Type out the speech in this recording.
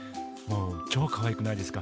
超かわいくないですか？